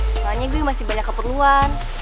soalnya gue masih banyak keperluan